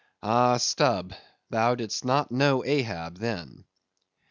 Ah! Stubb, thou didst not know Ahab then.